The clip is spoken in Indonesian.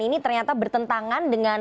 ini ternyata bertentangan dengan